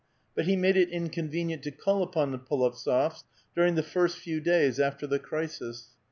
But he made it incon venient to call upon the Polovts6fs, during the first few days after the crisis.